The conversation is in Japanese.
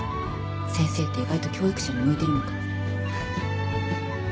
先生って意外と教育者に向いてるのかも。